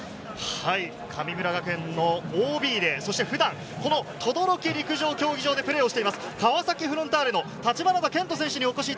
神村学園のＯＢで、そして普段この等々力陸上競技場でプレーしている川崎フロンターレの橘田健人選手です。